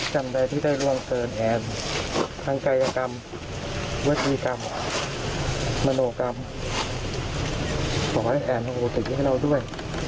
จำเป็นที่ได้ล่วงเกินแอดทางใกล้กับกรรมวิธีกรรมบรรโนกรรมประวัติแอดของปกติให้เล่าด้วย